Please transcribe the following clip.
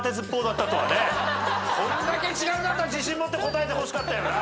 こんだけ違うんだったら自信持って答えてほしかったよな。